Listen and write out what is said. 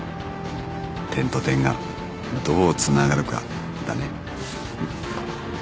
点と点がどうつながるかだね。